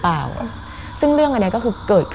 มันกลายเป็นรูปของคนที่กำลังขโมยคิ้วแล้วก็ร้องไห้อยู่